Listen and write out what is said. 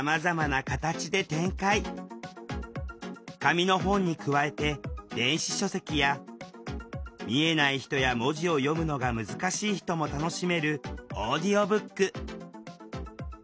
紙の本に加えて「電子書籍」や見えない人や文字を読むのが難しい人も楽しめる「オーディオブック」。